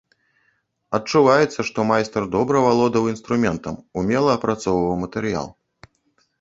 Адчуваецца, што майстар добра валодаў інструментам, умела апрацоўваў матэрыял.